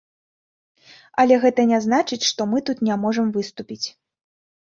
Але гэта не значыць, што мы тут не можам выступіць.